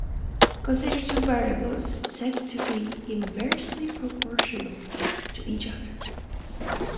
Consider two variables said to be "inversely proportional" to each other.